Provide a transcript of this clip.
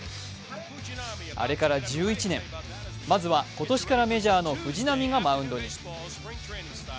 あれから１１年、まずは今年からメジャーの藤浪がマウンドに。